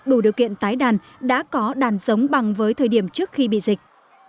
đủ điều kiện tái đàn đã có đàn giống bằng với thời điểm trước khi bị dịch